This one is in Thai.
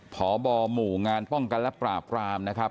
พบหมู่งานป้องกันและปราบรามนะครับ